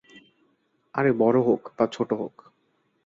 আরে বড় হোক, বা ছোট হোক।